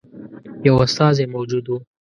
یو استازی موجود وو.